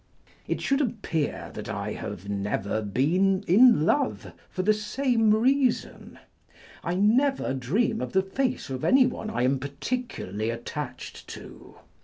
It should appear that I have never been in love, for the same reason. I never dream of the face of anyone I am particularly attached to.